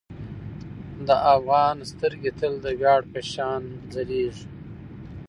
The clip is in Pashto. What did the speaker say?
د افغان سترګې تل د ویاړ په شان ځلیږي.